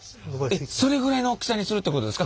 それぐらいの大きさにするってことですか？